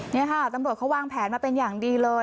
นี่ค่ะตำรวจเขาวางแผนมาเป็นอย่างดีเลย